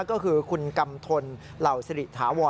ก็คือคุณกำทนเหล่าสิริถาวร